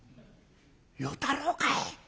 「与太郎かい！